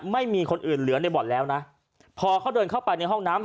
ไม่มีคนอื่นเหลือในบ่อนแล้วนะพอเขาเดินเข้าไปในห้องน้ำ